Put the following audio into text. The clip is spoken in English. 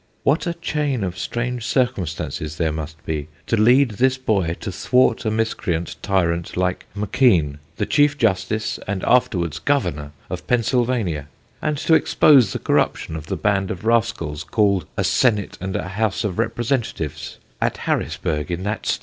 What a chain of strange circumstances there must be to lead this boy to thwart a miscreant tyrant like M'keen, the Chief Justice, and afterwards Governor, of Pennsylvania, and to expose the corruptions of the band of rascals, called a 'Senate and a House of Representatives,' at Harrisburgh, in that state!"